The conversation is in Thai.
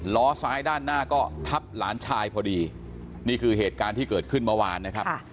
ล้อซ้ายด้านหน้าก็ทับหลานชายพอดีนี่คือเหตุการณ์ที่เกิดขึ้นเมื่อวานนะครับ